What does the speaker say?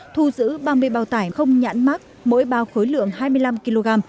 thu giữ ba mươi bao tải không nhãn mát mỗi bao khối lượng hai mươi năm kg